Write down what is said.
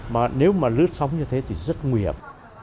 mà nếu mà lướt sóng như thế thì rất nguy hiểm